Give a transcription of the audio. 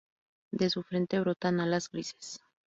De su frente brotan alas grises.